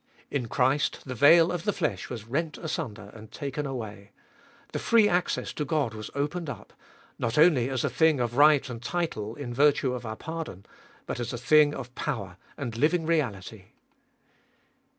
In Christ the veil of the flesh was rent asunder and taken away. The free access to God was opened up, not only as a thing of right and title in virtue of our pardon, but as a thing of power and living reality.